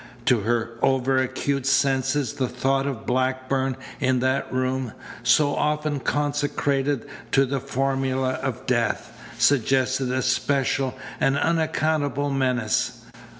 To her over acute senses the thought of Blackburn in that room, so often consecrated to the formula of death, suggested a special and unaccountable menace.